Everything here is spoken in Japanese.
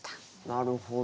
なるほど。